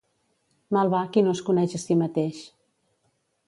Mal va qui no es coneix a si mateix.